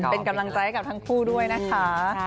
เป็นกำลังใจกับทั้งคู่ด้วยนะคะ